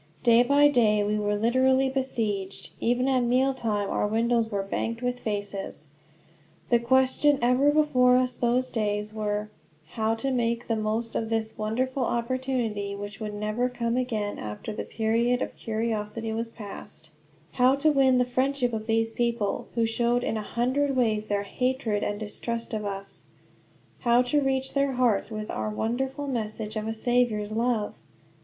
Day by day we were literally besieged. Even at meal time our windows were banked with faces. The questions ever before us those days were how to make the most of this wonderful opportunity, which would never come again after the period of curiosity was past; how to win the friendship of this people, who showed in a hundred ways their hatred and distrust of us; how to reach their hearts with our wonderful message of a Saviour's love?